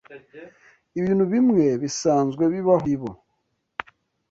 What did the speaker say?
ibintu bimwe bisanzwe bibaho muribo